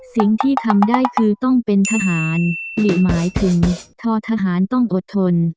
สิ่งที่ทำได้คือต้องเป็นทหารหลีหมายถึงทอทหารต้องอดทน